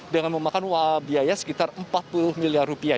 dengan memakan biaya sekitar empat puluh miliar rupiah